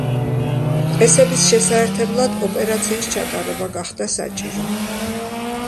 მყესების შესაერთებლად ოპერაციის ჩატარება გახდა საჭირო.